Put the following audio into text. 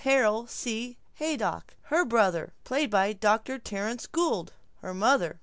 Harold C. Haydock Her brother. ....... Dr. Terence Gould Her mother